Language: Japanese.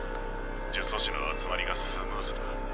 呪詛師の集まりがスムーズだ。